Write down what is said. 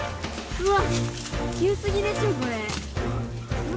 ⁉うわ！